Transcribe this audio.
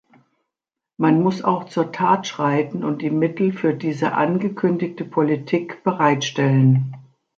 Man muss auch zur Tat schreiten und die Mittel für diese angekündigte Politik bereitstellen.